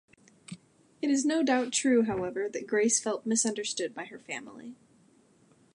It is no doubt true, however, that Grace felt misunderstood by her family.